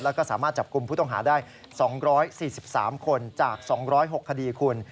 แล้วก็สามารถจับกลุ่มผู้ต้องหาได้๒๔๓คนจาก๒๐๖คดีคุณ